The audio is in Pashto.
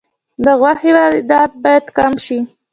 د غوښې واردات باید کم شي